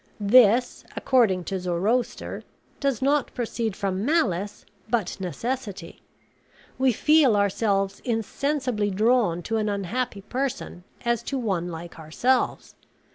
This, according to Zoroaster, does not proceed from malice, but necessity. We feel ourselves insensibly drawn to an unhappy person as to one like ourselves.